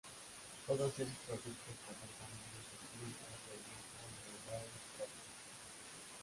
Todos esos productos conforman un subgrupo del grupo de Lorentz propio.